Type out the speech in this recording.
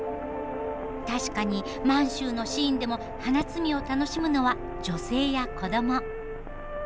確かに満州のシーンでも花摘みを楽しむのは女性や子供。